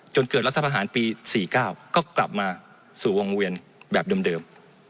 จนเกิดรัฐประหารปี๔๙ก็กลับมาสู่วงเวียนแบบเดิม